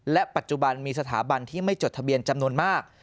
และปัจจุบันมีสถาบันที่ไม่จดทะเบียนจำนวนมาก